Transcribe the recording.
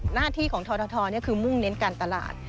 หน้าที่ของททคือมุ่งเน้นการตลาด